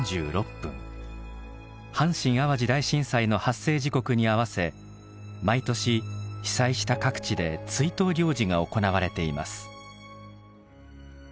阪神・淡路大震災の発生時刻に合わせ毎年被災した各地で追悼行事が行われています。